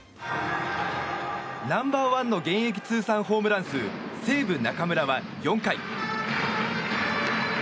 ナンバー１の現役通算ホームラン数西武、中村は４回。